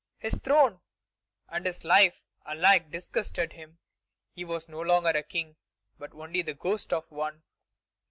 His throne and his life alike disgusted him. He was no longer a King, but only the ghost of one.